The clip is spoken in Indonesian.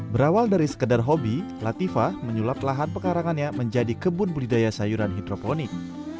berawal dari sekedar hobi latifah menyulap lahan pekarangannya menjadi kebun budidaya sayuran hidroponik